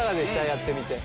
やってみて。